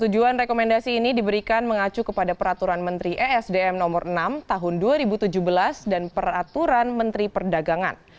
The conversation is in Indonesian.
tujuan rekomendasi ini diberikan mengacu kepada peraturan menteri esdm nomor enam tahun dua ribu tujuh belas dan peraturan menteri perdagangan